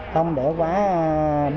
không để quá bốn mươi tám giờ